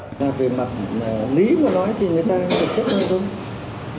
về mặt lý mà nói thì người ta có thể xét ngay thôi